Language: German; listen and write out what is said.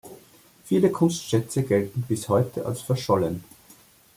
Viele Kunstschätze gelten bis heute als verschollen.